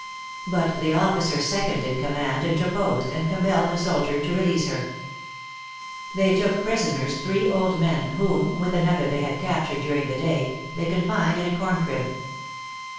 But the officer second in command interposed, and compelled the soldier to release her. They took prisoners three old men, whom, with another they had captured during the day, they confined in a corncrib.